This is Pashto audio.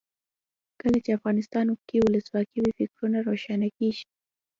کله چې افغانستان کې ولسواکي وي فکرونه روښانه کیږي.